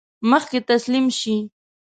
مخکې تسلیم شي.